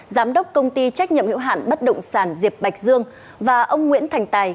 giám đốc công ty trách nhiệm hiệu hạn bất động sản diệp bạch dương và ông nguyễn thành tài